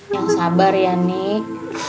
yang sabar ya nik